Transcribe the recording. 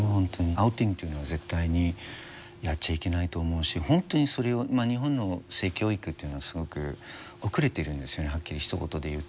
アウティングというのは絶対にやっちゃいけないと思うし本当にそれを日本の性教育というのはすごく後れてるんですよねはっきりひと言で言うと。